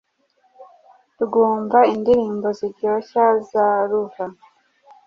rwumva indirimbo ziryoshya za Luva